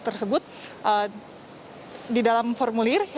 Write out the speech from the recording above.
mereka menemukan di dalam formulir